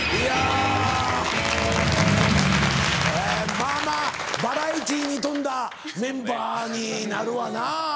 まぁまぁバラエティーに富んだメンバーになるわなぁ。